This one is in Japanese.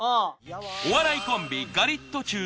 お笑いコンビガリットチュウ